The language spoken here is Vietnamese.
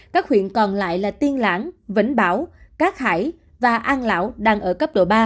các huyện còn lại là tiên lãng vĩnh bảo cát hải và an lão đang ở cấp độ ba